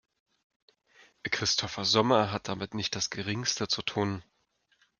Christopher Sommer hat damit nicht das Geringste zu tun.